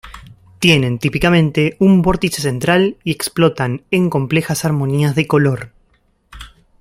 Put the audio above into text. Tienen, típicamente, un vórtice central y explotan en complejas armonías de color.